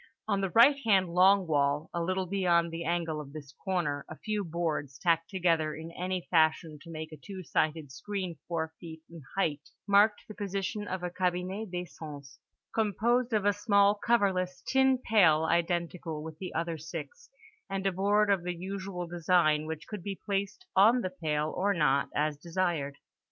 On the right hand long wall, a little beyond the angle of this corner, a few boards, tacked together in any fashion to make a two sided screen four feet in height, marked the position of a cabinet d'aisance, composed of a small coverless tin pail identical with the other six, and a board of the usual design which could be placed on the pail or not as desired.